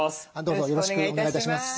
どうぞよろしくお願い致します。